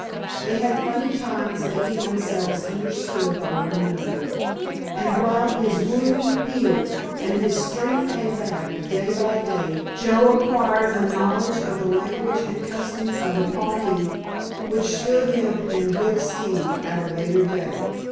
They had funny times making themselves understood by one another, and while his wound healed and his strength came back day by day Joe acquired a knowledge of the language and customs of the Pawnees which stood him in good stead at a later day.